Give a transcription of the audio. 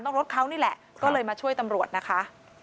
รถเขานี่แหละก็เลยมาช่วยตำรวจนะคะ